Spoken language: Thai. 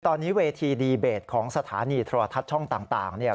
ตอนนี้เวทีดีเบตของสถานีโทรทัศน์ช่องต่างเนี่ย